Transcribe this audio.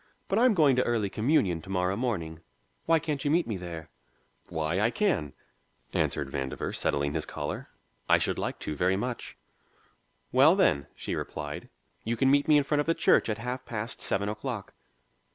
But I'm going to early communion to morrow morning; why can't you meet me there?" "Why, I can," answered Vandover, settling his collar. "I should like to very much." "Well, then," she replied, "you can meet me in front of the church at half past seven o'clock."